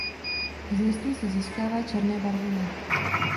Z listů se získává černé barvivo.